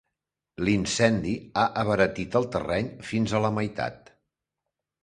L'incendi ha abaratit el terreny fins a la meitat.